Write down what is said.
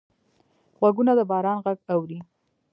غوږونه د باران غږ اوري